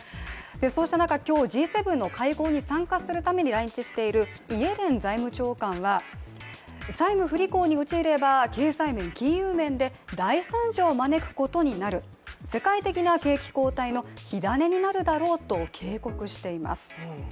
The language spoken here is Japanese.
そうした中、今日Ｇ７の会合に参加するために来日しているイエレン財務長官は債務不履行に陥れば経済面・金融面で大惨事を招くことになる、世界的な景気後退の火種になるだろうと警告しています。